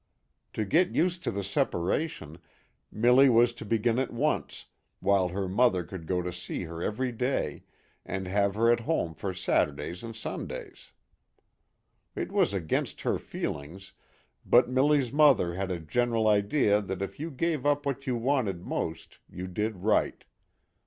To "get used to the separation " Milly was to begin at once, while her mother could go to see her every day, and have her at home for Saturdays and Sundays. It was against her feelings, but Milly's mother had a general idea that if you gave up what you wanted most you did right.